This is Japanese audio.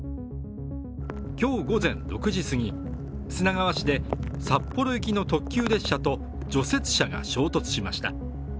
今日午前６時すぎ砂川市で札幌行きの特急列車と除雪車が衝突しました。